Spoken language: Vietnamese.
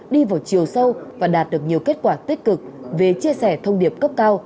đi vào chiều sâu và đạt được nhiều kết quả tích cực về chia sẻ thông điệp cấp cao